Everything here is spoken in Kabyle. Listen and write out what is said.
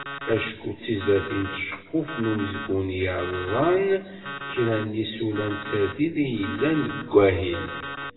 Acku d tizlatin d tceqquft n umezgun i yerẓan kra n yisula n tsertit i yellan deg wahil.